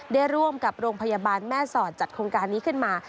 ได้ร่วมกับโรงพยาบาลแม่สอดจัดโครงการนี้ขึ้นมา